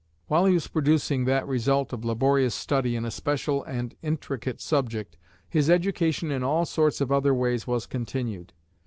While he was producing that result of laborious study in a special and intricate subject, his education in all sorts of other ways was continued.